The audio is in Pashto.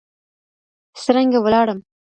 څرنګه ولاړم